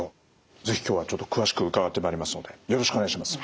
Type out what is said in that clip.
是非今日はちょっと詳しく伺ってまいりますのでよろしくお願いします。